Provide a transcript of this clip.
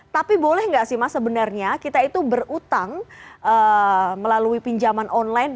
tapi boleh nggak sih mas sebenarnya kita itu berutang melalui pinjaman online